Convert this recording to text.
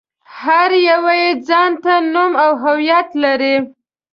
هر يو يې ځان ته نوم او هويت لري.